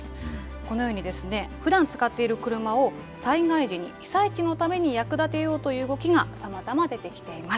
このようにですね、ふだん使っている車を、災害時に被災地のために役立てようという動きがさまざま出てきています。